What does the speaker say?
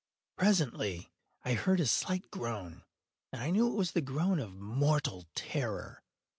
Presently I heard a slight groan, and I knew it was the groan of mortal terror.